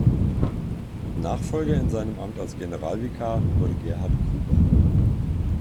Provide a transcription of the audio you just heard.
Nachfolger in seinem Amt als Generalvikar wurde Gerhard Gruber.